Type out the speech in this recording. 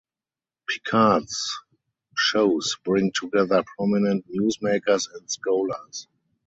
Picard’s shows bring together prominent newsmakers and scholars.